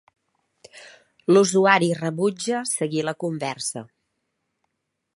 L'usuari rebutja seguir la conversa.